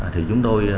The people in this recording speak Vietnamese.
thì chúng tôi